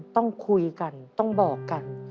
ต้องคุยกันต้องบอกกัน